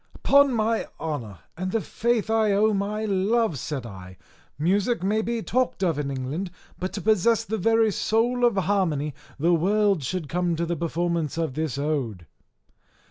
"Upon my honour, and the faith I owe my love," said I, "music may be talked of in England, but to possess the very soul of harmony the world should come to the performance of this ode."